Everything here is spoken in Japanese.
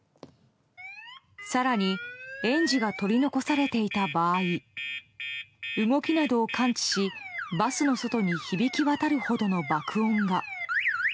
更に、園児が取り残されていた場合動きなどを感知しバスの外に響き渡るほどの爆音が。